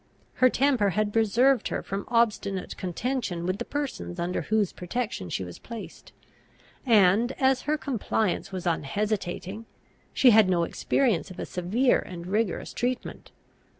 Her temper had preserved her from obstinate contention with the persons under whose protection she was placed; and, as her compliance was unhesitating, she had no experience of a severe and rigorous treatment.